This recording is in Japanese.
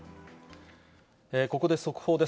ここで速報です。